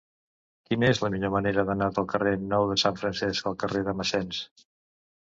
Quina és la millor manera d'anar del carrer Nou de Sant Francesc al carrer de Massens?